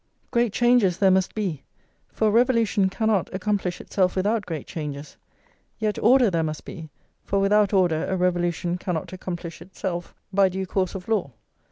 Great changes there must be, for a revolution cannot accomplish itself without great changes; yet order there must be, for without order a revolution cannot accomplish itself by due course of law.